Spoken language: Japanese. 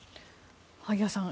萩谷さん